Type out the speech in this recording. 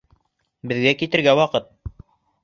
Беҙгә китергә ваҡыт